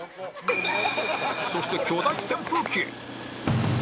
そして巨大扇風機へ